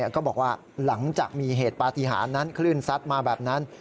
ก็บอกว่าหลังจากมีเหตุปฏิหารนั้นคลื่นซัดมาแบบนั้น